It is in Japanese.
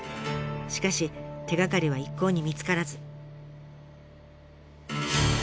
しかし手がかりは一向に見つからず。